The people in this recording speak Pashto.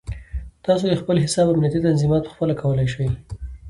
تاسو د خپل حساب امنیتي تنظیمات پخپله کولی شئ.